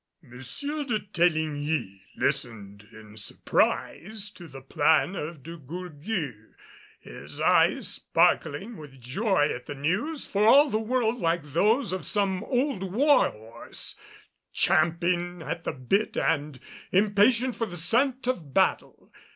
M. de Teligny listened in surprise to the plan of De Gourgues, his eyes sparkling with joy at the news, for all the world like those of some old war horse champing at the bit and impatient for the scent of battle.